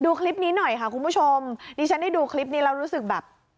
ดูคลิปนี้หน่อยค่ะคุณผู้ชมดิฉันได้ดูคลิปนี้แล้วรู้สึกแบบ